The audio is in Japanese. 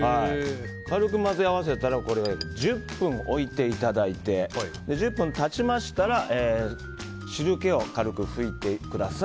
軽く混ぜ合わせたらこれで１０分置いていただいて１０分経ちましたら汁気を軽く拭いてください。